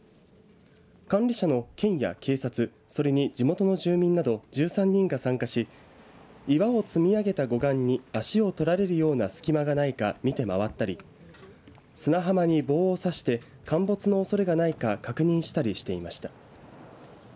管理者の県や警察それに地元の住民など１３人が参加し岩を積み上げた護岸に足を取られるような隙間がないか見て回ったり砂浜に棒を刺して陥没のおそれがないか確認したりしていました。